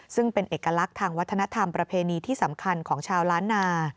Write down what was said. ซึ่งเป็นเอกลักษณ์ทางวัฒนธรรมประเพณีที่สำคัญของชาวล้านนา